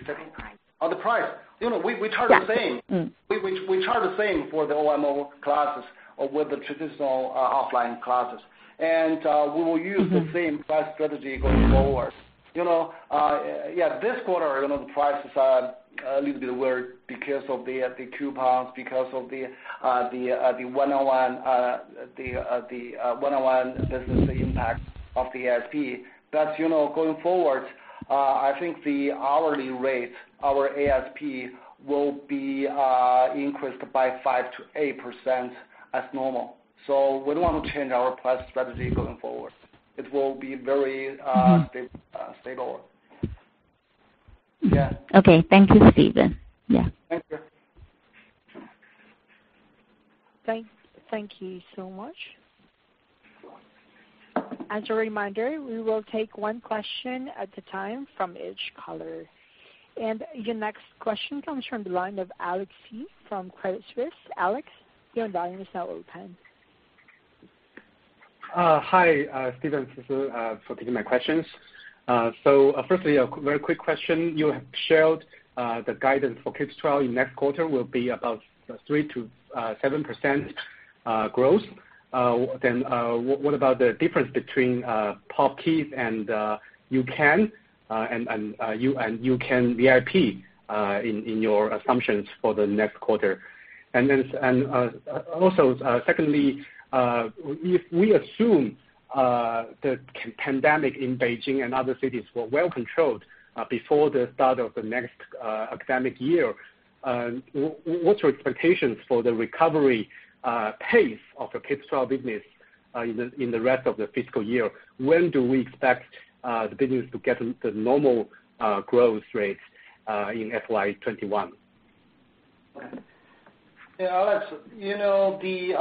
price.
Oh, the price. We charge the same.
Yeah.
We charge the same for the OMO classes with the traditional offline classes. We will use the same price strategy going forward. This quarter, the prices are a little bit weird because of the coupons, because of the one-on-one business impact of the ASP. Going forward, I think the hourly rate, our ASP, will be increased by 5%-8% as normal. We don't want to change our price strategy going forward. It will be very stable.
Okay. Thank you, Stephen.
Yeah. Thank you.
Thank you so much. As a reminder, we will take one question at a time from each caller. Your next question comes from the line of Alex Xie from Credit Suisse. Alex, your line is now open.
Hi, Stephen, Sisi, for taking my questions. Firstly, a very quick question. You have shared the guidance for K-12 in next quarter will be about 3%-7% growth. What about the difference between POP Kids and U-Can and VIP one-on-one in your assumptions for the next quarter? Secondly, if we assume the pandemic in Beijing and other cities were well-controlled before the start of the next academic year, what's your expectations for the recovery pace of the K-12 business in the rest of the fiscal year? When do we expect the business to get the normal growth rates in FY 2021?
Yeah, Alex, the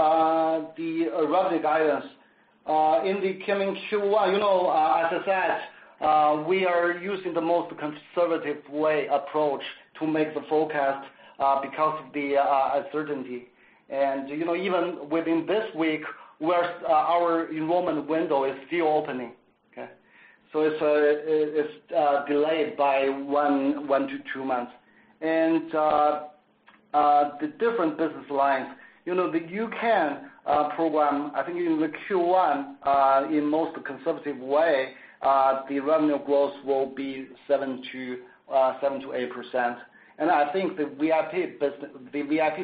revenue guidance in the coming Q1, as I said, we are using the most conservative way approach to make the forecast because of the uncertainty. Even within this week, our enrollment window is still opening. Okay. It's delayed by one to two months. The different business lines, the U-Can program, I think in the Q1, in most conservative way, the revenue growth will be 7%-8%. I think the VIP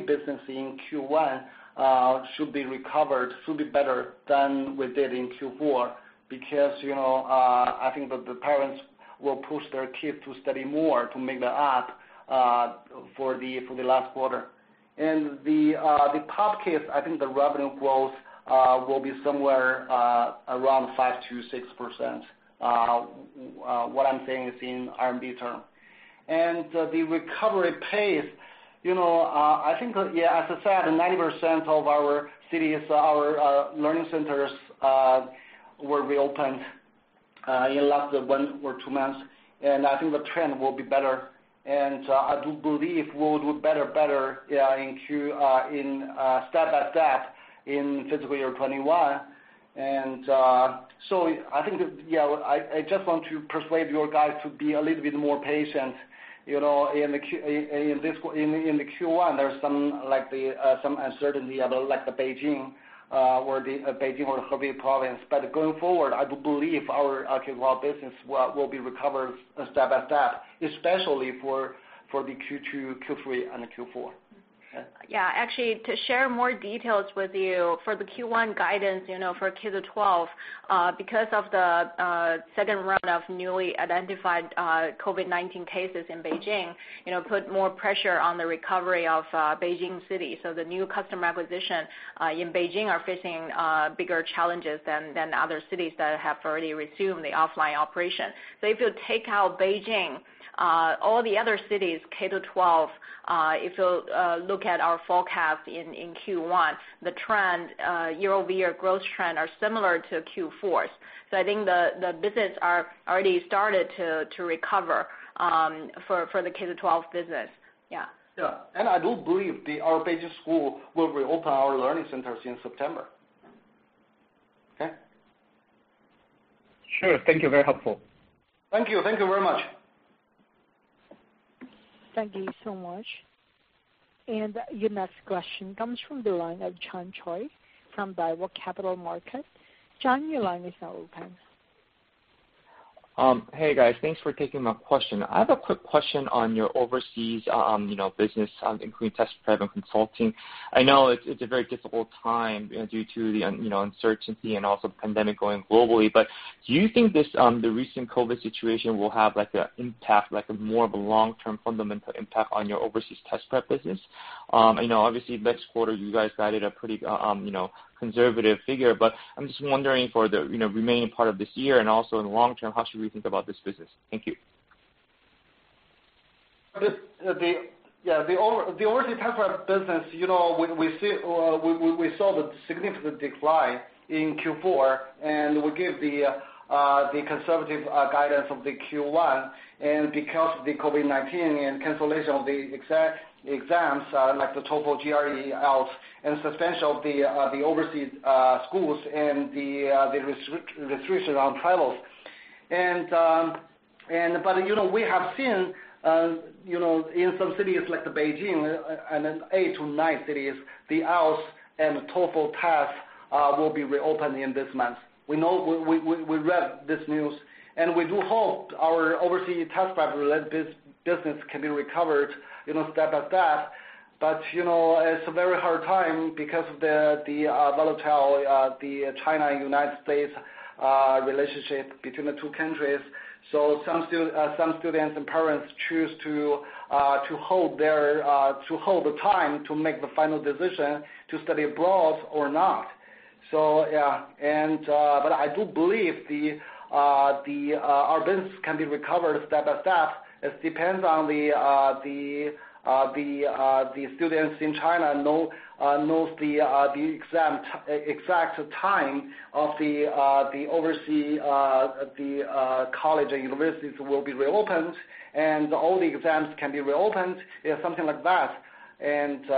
business in Q1 should be recovered, should be better than we did in Q4, because I think that the parents will push their kids to study more to make up for the last quarter. The POP Kids, I think the revenue growth will be somewhere around 5%-6%. What I'm saying is in RMB term. The recovery pace, I think, as I said, 90% of our cities, our learning centers were reopened in last one or two months, and I think the trend will be better. I do believe we'll do better in step at that in fiscal year 2021. I just want to persuade you guys to be a little bit more patient. In the Q1, there's some uncertainty, like the Beijing or Hebi province. Going forward, I do believe our K-12 business will be recovered step by step, especially for the Q2, Q3, and Q4.
Yeah. Actually, to share more details with you, for the Q1 guidance for K-12, because of the second round of newly identified COVID-19 cases in Beijing, put more pressure on the recovery of Beijing city. The new customer acquisition in Beijing are facing bigger challenges than other cities that have already resumed the offline operation. If you take out Beijing, all the other cities, K-12, if you look at our forecast in Q1, the year-over-year growth trend are similar to Q4's. I think the business are already started to recover for the K-12 business. Yeah.
Yeah. I do believe our Beijing school will reopen our learning centers in September. Okay?
Sure. Thank you. Very helpful.
Thank you. Thank you very much.
Thank you so much. Your next question comes from the line of John Choi from Daiwa Capital Markets. John, your line is now open.
Hey, guys. Thanks for taking my question. I have a quick question on your overseas business, including test prep and consulting. I know it's a very difficult time due to the uncertainty and also pandemic going globally. Do you think the recent COVID-19 situation will have an impact, like a more of a long-term fundamental impact on your Overseas Test Prep business? Obviously, next quarter, you guys guided a pretty conservative figure. I'm just wondering for the remaining part of this year and also in the long term, how should we think about this business? Thank you.
The Overseas Test Prep business, we saw the significant decline in Q4. We give the conservative guidance of the Q1 because of the COVID-19 and cancellation of the exams, like the TOEFL, GRE, IELTS, and suspension of the overseas schools and the restriction on travels. We have seen in some cities like Beijing, then eight to nine cities, the IELTS and TOEFL tests will be reopened in this month. We read this news. We do hope our Overseas Test Prep business can be recovered step by step. It's a very hard time because of the volatile China-United States relationship between the two countries. Some students and parents choose to hold the time to make the final decision to study abroad or not. I do believe our business can be recovered step by step. It depends on the students in China know the exact time of the overseas, the college and universities will be reopened, and all the exams can be reopened, something like that. It's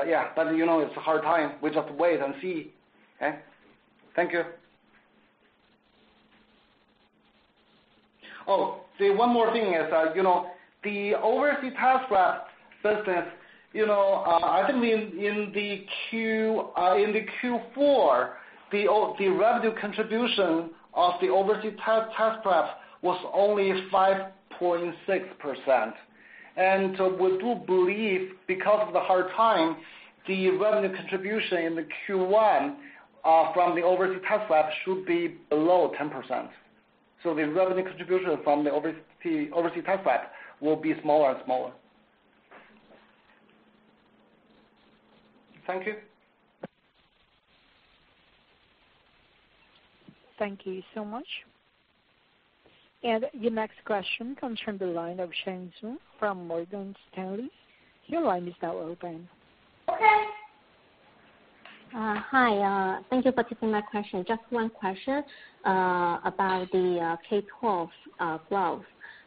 a hard time. We just wait and see. Okay. Thank you. One more thing is, the Overseas Test Prep business, I think in the Q4, the revenue contribution of the Overseas Test Prep was only 5.6%. We do believe because of the hard time, the revenue contribution in the Q1 from the Overseas Test Prep should be below 10%. The revenue contribution from the Overseas Test Prep will be smaller and smaller. Thank you.
Thank you so much. Your next question comes from the line of Sheng Zhong from Morgan Stanley. Your line is now open.
Okay. Hi. Thank you for taking my question. Just one question about the K-12 growth.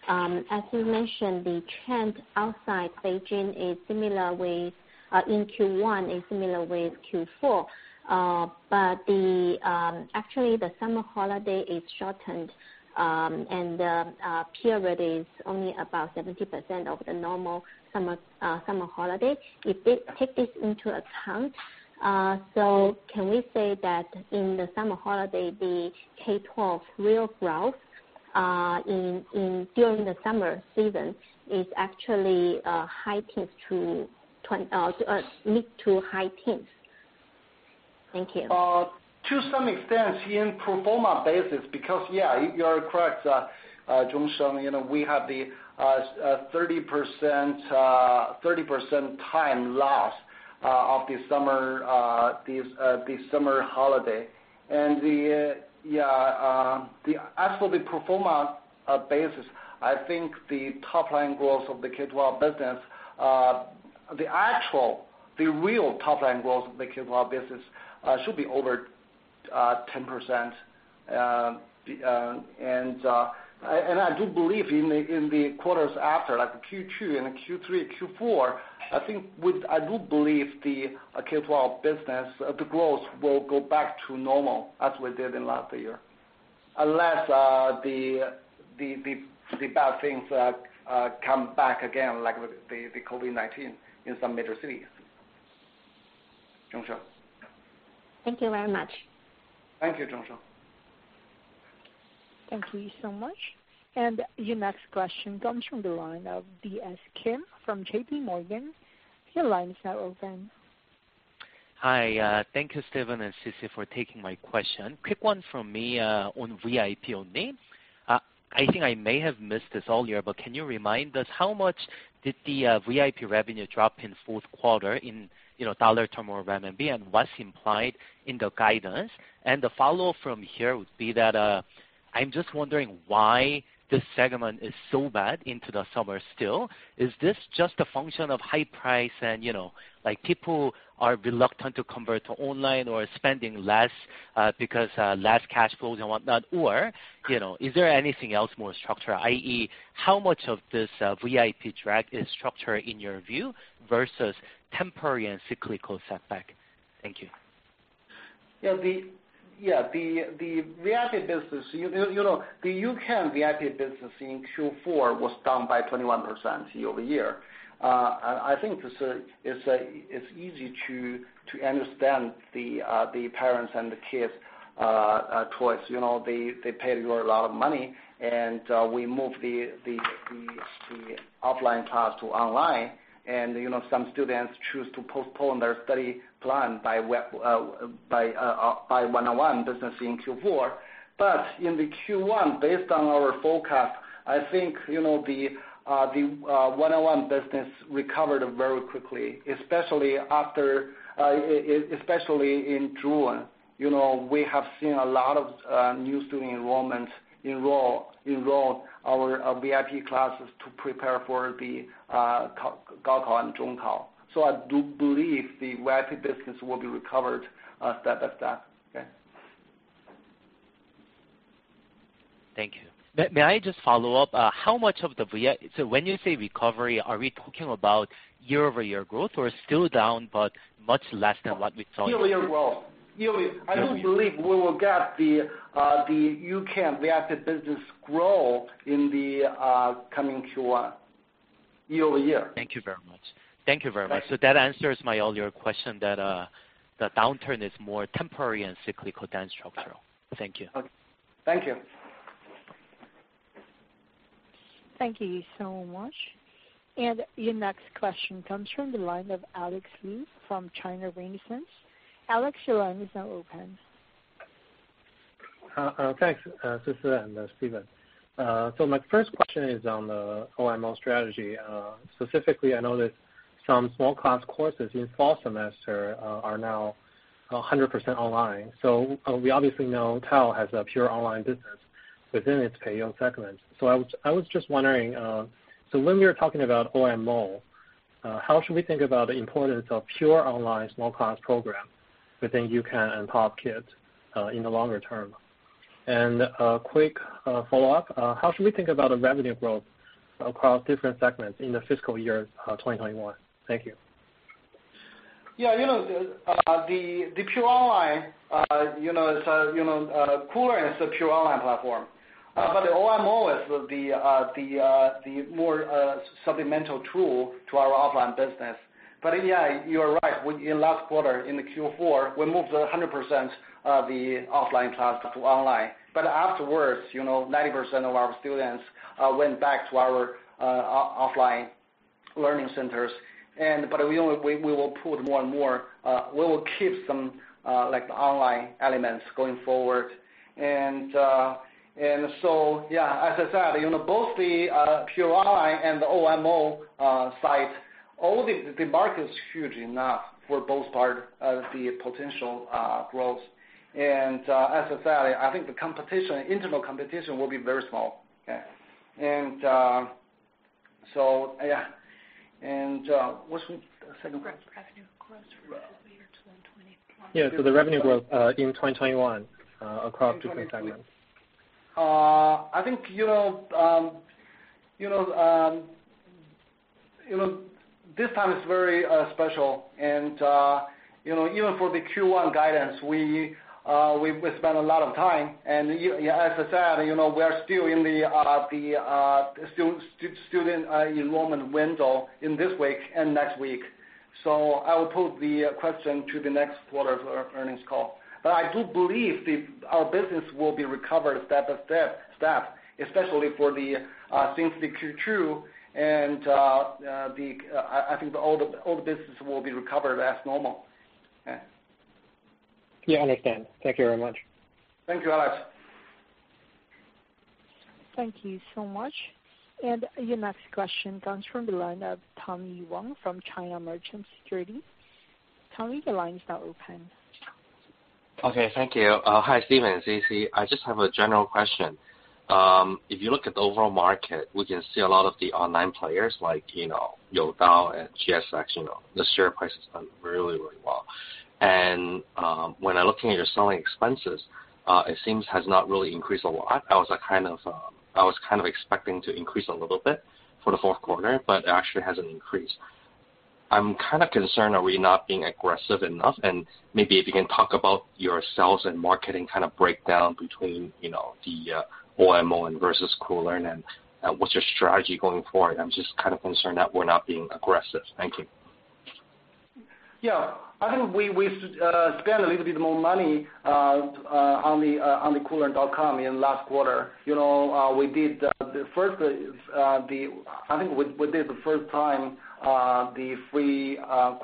As you mentioned, the trend outside Beijing in Q1 is similar with Q4. Actually, the summer holiday is shortened, and the period is only about 70% of the normal summer holiday. If they take this into account, can we say that in the summer holiday, the K-12 real growth during the summer season is actually mid to high teens? Thank you.
To some extent, in pro forma basis, because yeah, you are correct, Sheng Zhong, we have the 30% time loss of the summer holiday. As for the pro forma basis, I think the top-line growth of the K-12 business, the actual, the real top-line growth of the K-12 business should be over 10%. In the quarters after, like Q2 and Q3, Q4, I do believe the K-12 business, the growth will go back to normal as we did in last year, unless the bad things come back again, like the COVID-19 in some major cities. Sheng Zhong.
Thank you very much.
Thank you, Sheng Zhong.
Thank you so much. Your next question comes from the line of DS Kim from JPMorgan. Your line is now open.
Hi. Thank you, Stephen and Sisi, for taking my question. Quick one from me on VIP only. I think I may have missed this all year. Can you remind us how much did the VIP revenue drop in fourth quarter in $ term or CNY, and what's implied in the guidance? The follow-up from here would be that I'm just wondering why this segment is so bad into the summer still. Is this just a function of high price and people are reluctant to convert to online or spending less because less cash flows and whatnot? Is there anything else more structural, i.e., how much of this VIP drag is structural in your view versus temporary and cyclical setback? Thank you.
The U-Can VIP business in Q4 was down by 21% year-over-year. I think it's easy to understand the parents and the kids choice. They pay you a lot of money, and we move the offline class to online, and some students choose to postpone their study plan by one-on-one business in Q4. In the Q1, based on our forecast, I think the one-on-one business recovered very quickly, especially in June. We have seen a lot of new student enroll in our VIP classes to prepare for the Gaokao and Zhongkao. I do believe the VIP business will be recovered step by step. Okay.
Thank you. May I just follow up? When you say recovery, are we talking about year-over-year growth or still down but much less than what we saw?
Year-over-year growth. I do believe we will get the U-Can, the active business grow in the coming Q1 year-over-year.
Thank you very much.
Thank you.
That answers my earlier question that the downturn is more temporary and cyclical than structural. Thank you.
Okay. Thank you.
Thank you so much. Your next question comes from the line of Alex Liu from China Renaissance. Alex, your line is now open.
Thanks, Sisi and Stephen. My first question is on the OMO strategy. Specifically, I know that some small class courses in fall semester are now 100% online. We obviously know TAL has a pure online business within its Peiyou segment. I was just wondering, when we are talking about OMO, how should we think about the importance of pure online small class program within U-Can and POP Kids, in the longer term? A quick follow-up. How should we think about the revenue growth across different segments in the fiscal year 2021? Thank you.
Yeah. Koolearn is a pure online platform. The OMO is the more supplemental tool to our offline business. Yeah, you are right. In last quarter, in the Q4, we moved 100% of the offline class to online. Afterwards, 90% of our students went back to our offline learning centers. We will put more and more. We will keep some online elements going forward. Yeah. As I said, both the Koolearn and the OMO side, the market's huge enough for both parts of the potential growth. As I said, I think the internal competition will be very small. Yeah. What's the second one?
Revenue growth for fiscal year 2021.
Yeah. The revenue growth in 2021 across different segments.
I think, this time is very special. Even for the Q1 guidance, we spent a lot of time and as I said, we are still in the student enrollment window in this week and next week. I will put the question to the next quarter of our earnings call. I do believe our business will be recovered step by step, especially for the Q2, and I think all the business will be recovered as normal. Yeah.
Yeah, I understand. Thank you very much.
Thank you, Alex.
Thank you so much. Your next question comes from the line of Tommy Wong from China Merchants Securities. Tommy, the line is now open.
Okay, thank you. Hi, Stephen, Sisi Zhao. I just have a general question. If you look at the overall market, we can see a lot of the online players like Youdao and GSX, the share price has done really, really well. When I looking at your selling expenses, it seems has not really increased a lot. I was kind of expecting to increase a little bit for the fourth quarter, but actually hasn't increased. I'm kind of concerned, are we not being aggressive enough? Maybe if you can talk about your sales and marketing kind of breakdown between the OMO versus Koolearn, and what's your strategy going forward? I'm just kind of concerned that we're not being aggressive. Thank you.
Yeah. I think we spent a little bit more money on the koolearn.com in last quarter. I think we did the first time, the free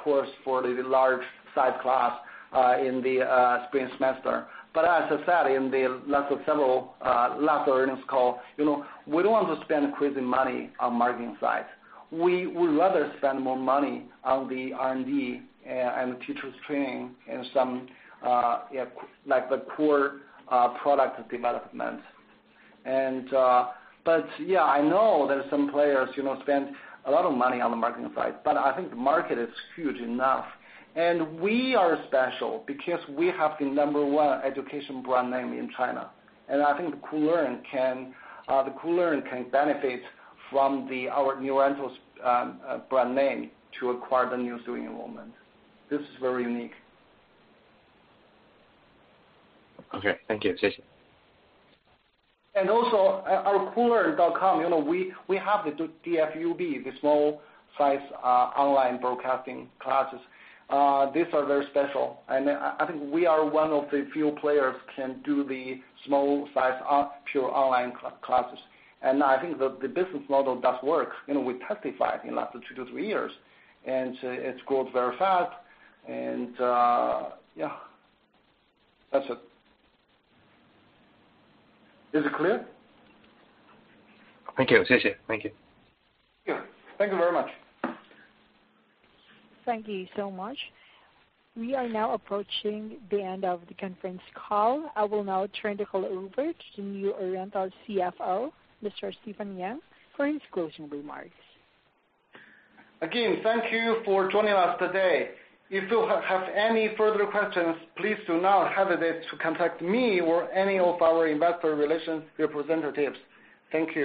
course for the large size class, in the spring semester. As I said, in the last several earnings call, we don't want to spend crazy money on marketing side. We would rather spend more money on the R&D and teachers training and some core product development. Yeah, I know there's some players spend a lot of money on the marketing side, but I think the market is huge enough. We are special because we have the number one education brand name in China. I think the Koolearn can benefit from our New Oriental brand name to acquire the new student enrollment. This is very unique.
Okay. Thank you. Thank you.
Also, our Koolearn.com, we have the DFUB, the small size online broadcasting classes. These are very special, and I think we are one of the few players can do the small size pure online classes. I think the business model does work. We testified in last two to three years, and it grows very fast. Yeah. That's it. Is it clear?
Thank you. Thank you.
Yeah. Thank you very much.
Thank you so much. We are now approaching the end of the conference call. I will now turn the call over to New Oriental CFO, Mr. Stephen Yang, for his closing remarks.
Again, thank you for joining us today. If you have any further questions, please do not hesitate to contact me or any of our investor relations representatives. Thank you.